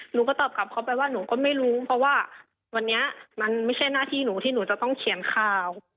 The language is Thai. หนูก็ตอบกลับเขาไปว่าหนูก็ไม่รู้เพราะว่าวันนี้มันไม่ใช่หน้าที่หนูที่หนูจะต้องเขียนข่าว